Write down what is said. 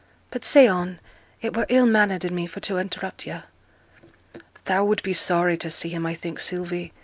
'But say on; it were ill mannered in me for t' interrupt yo'.' 'Thou would be sorry to see him, I think, Sylvie.